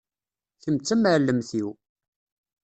Kem d tamɛellemt-iw.